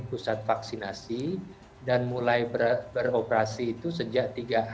pusat vaksinasi dan mulai beroperasi itu sejak tiga hari